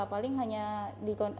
paling hanya dikondisi